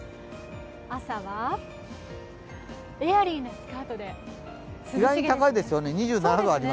朝はエアリーなスカートで涼しげですね。